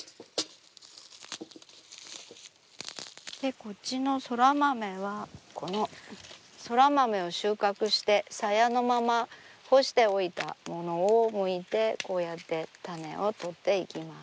こっちのそら豆はこのそら豆を収穫してさやのまま干しておいたものをむいてこうやって種を取っていきます。